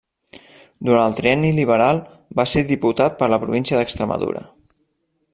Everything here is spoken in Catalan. Durant el Trienni Liberal va ser diputat per la província d'Extremadura.